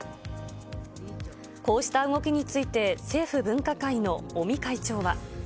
こうした動きについて、政府分科会の尾身会長は。